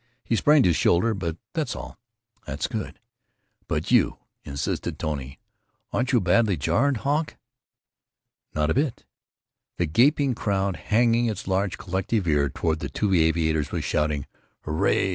He sprained his shoulder, but that's all." "That's good." "But you," insisted Tony, "aren't you badly jarred, Hawk?" "Not a bit." The gaping crowd, hanging its large collective ear toward the two aviators, was shouting: "Hoorray!